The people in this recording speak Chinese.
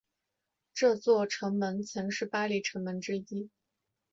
这座城门曾是巴黎城门之一。